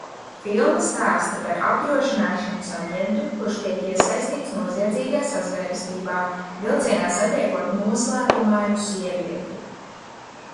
Filma stāsta par apdrošināšanas aģentu, kurš tiek iesaistīts noziedzīgā sazvērestībā, vilcienā satiekot noslēpumainu sievieti.